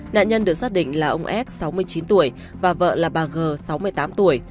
nạn nhân được xác định là ông s sáu mươi chín tuổi và vợ là bà g sáu mươi tám tuổi